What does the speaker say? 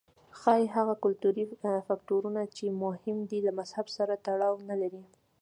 ښايي هغه کلتوري فکټورونه چې مهم دي له مذهب سره تړاو نه لري.